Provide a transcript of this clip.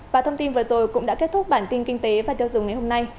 và thông tin vừa rồi cũng đã kết thúc bản tin kinh tế và tiêu dùng ngày hôm nay